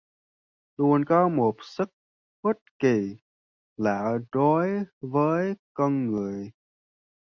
Luôn có một sức hút kỳ lạ đối với con người